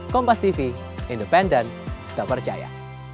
kompas tv independen tak percaya